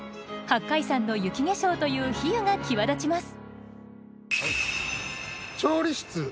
「八海山の雪化粧」という比喩が際立ちます。